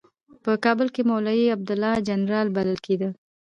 په کابل کې مولوي عبیدالله جنرال بلل کېده.